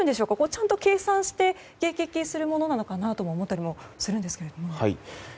ちゃんと計算して迎撃するものなのかなと思ったりもするんですが。